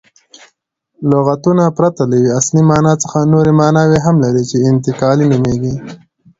لغتونه پرته له یوې اصلي مانا څخه نوري ماناوي هم لري، چي انتقالي نومیږي.